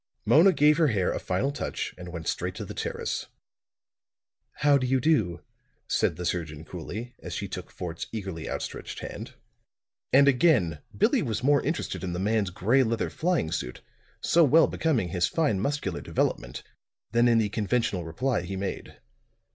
Mona gave her hair a final touch and went straight to the terrace. "How do you do?" said the surgeon coolly, as she took Fort's eagerly outstretched hand. And again Billie was more interested in the man's gray leather flying suit, so well becoming his fine muscular development, than in the conventional reply he made.